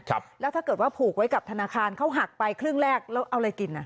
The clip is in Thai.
ครับแล้วถ้าเกิดว่าผูกไว้กับธนาคารเขาหักไปครึ่งแรกแล้วเอาอะไรกินน่ะ